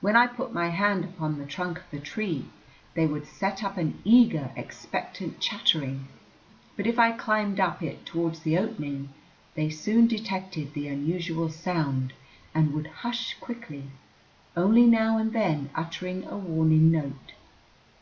When I put my hand upon the trunk of the tree, they would set up an eager, expectant chattering; but if I climbed up it toward the opening, they soon detected the unusual sound and would hush quickly, only now and then uttering a warning note.